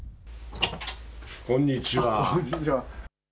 こんにちは。